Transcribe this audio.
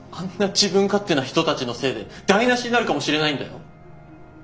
自分勝手な人たちのせいで台なしになるかもしれないんだよ。